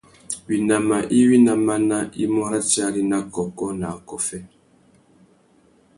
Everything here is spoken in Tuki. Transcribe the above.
Winama iwí ná máná i mú ratiari nà kôkô nà akôffê.